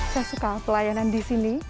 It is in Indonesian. saya suka pelayanan di sini